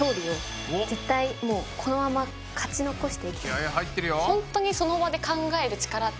気合い入ってるよ。